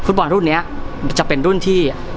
ฟุตบอลรุ่นนี้จะเป็นรุ่นที่